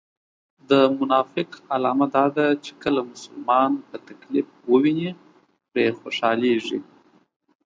د منافق علامه دا ده چې کله مسلمان په تکليف و ويني پرې خوشحاليږي